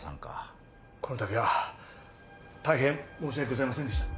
この度は大変申し訳ございませんでした。